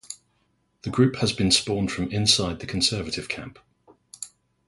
The group has been spawned from inside the conservative camp.